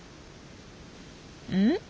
うん？